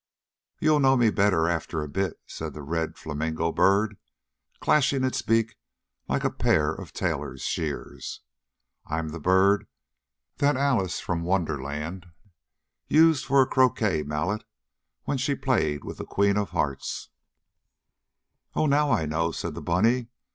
"You'll know me better after a bit," said the red flamingo bird, clashing its beak like a pair of tailor's shears. "I'm the bird that Alice from Wonderland used for a croquet mallet when she played with the Queen of Hearts." "Oh, now I know!" said the bunny.